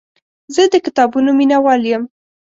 زه د کتابونو مینهوال یم.